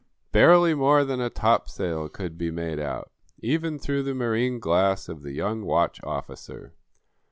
Barely more than a topsail could be made out, even through the marine glass of the young watch officer.